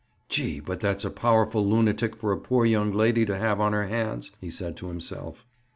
"Gee! but that's a powerful lunatic for a poor young lady to have on her hands!" he said to himself.